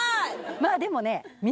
まぁでもね。